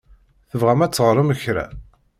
Tebɣam ad teɣṛem kra?